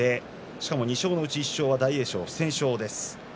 しかも２勝のうち１勝は大栄翔の不戦勝です。